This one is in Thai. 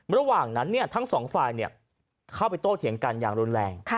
ระหว่างนั้นทั้งสองฝ่ายเข้าไปโต้เถียงกันอย่างรุนแรง